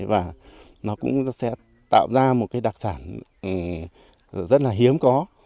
và nó cũng sẽ tạo ra một đặc sản rất hiếm có